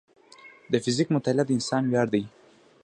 د فزیک مطالعه د انسان ویاړ دی.